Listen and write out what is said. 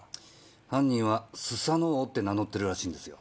犯人は須佐之男って名乗ってるらしいんですよ。